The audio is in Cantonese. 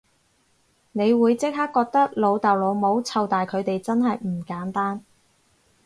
你會即刻覺得老豆老母湊大佢哋真係唔簡單